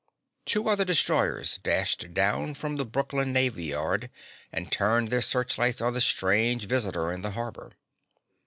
Two other destroyers dashed down from the Brooklyn Navy Yard and turned their searchlights on the strange visitor in the harbor.